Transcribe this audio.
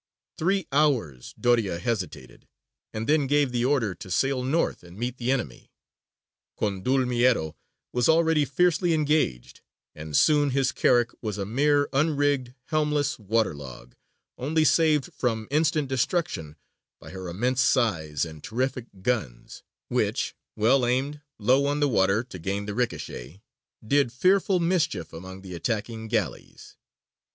Three hours Doria hesitated, and then gave the order to sail north and meet the enemy. Condulmiero was already fiercely engaged, and soon his carack was a mere unrigged helmless waterlog, only saved from instant destruction by her immense size and terrific guns, which, well aimed, low on the water, to gain the ricochet, did fearful mischief among the attacking galleys.